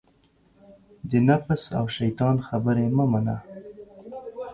د نفس او دشیطان خبرې مه منه